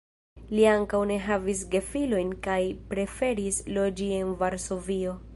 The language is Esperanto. Li ankaŭ ne havis gefilojn kaj preferis loĝi en Varsovio.